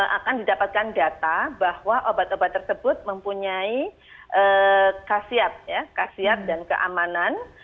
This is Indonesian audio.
akan didapatkan data bahwa obat obat tersebut mempunyai kasiat dan keamanan